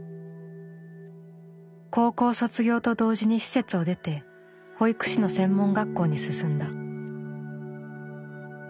高校卒業と同時に施設を出て保育士の専門学校に進んだ。